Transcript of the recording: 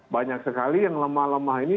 banyak sekali yang lemah lemah ini